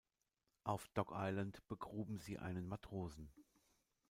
Auf Dog Island begruben sie einen Matrosen.